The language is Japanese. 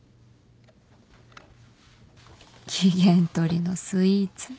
機嫌取りのスイーツ